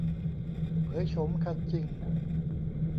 เผยโฉมคันจริง